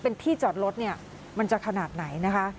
เป็นที่จอดรถเนี่ยมันจะขนาดไหนนะคะ